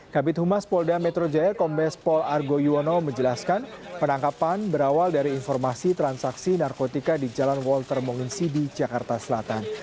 kabit humas polda metro jaya kombes pol argo yuwono menjelaskan penangkapan berawal dari informasi transaksi narkotika di jalan walter monginsidi jakarta selatan